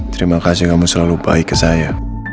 terima kasih kamu selalu baik ke saya